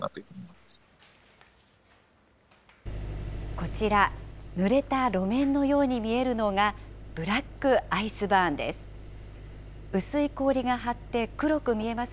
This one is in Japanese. こちら、ぬれた路面のように見えるのがブラックアイスバーンです。